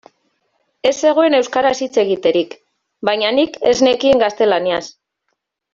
Ez zegoen euskaraz hitz egiterik, baina nik ez nekien gaztelaniaz.